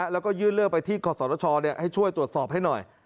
แล้วก็ยื่นเลือกไปข้อสอนรชญ์ให้ช่วยตรวจสอบให้หน่อย